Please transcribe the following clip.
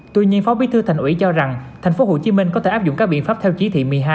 tuy nhiên phó bí thư thành ủy cho rằng tp hcm có thể áp dụng các biện pháp theo chỉ thị một mươi hai